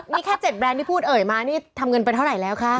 นี่แค่๗แบรนด์ที่พูดเอ่ยมานี่ทำเงินไปเท่าไหร่แล้วคะ